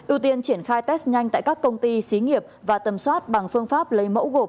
ưu tiên triển khai test nhanh tại các công ty xí nghiệp và tầm soát bằng phương pháp lấy mẫu gộp